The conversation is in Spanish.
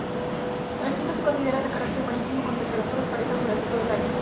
El clima se considera de carácter marítimo, con temperaturas parejas durante todo el año.